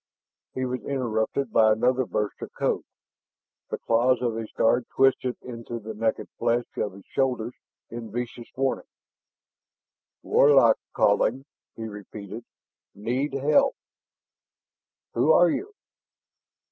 He was interrupted by another burst of code. The claws of his guard twisted into the naked flesh of his shoulders in vicious warning. "Warlock calling " he repeated. "Need help " "Who are you?"